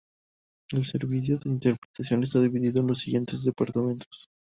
El Servicio de Interpretación está dividido en los siguientes departamentos:.